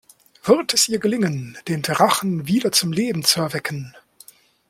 Wird es ihr gelingen, den Drachen wieder zum Leben zu erwecken?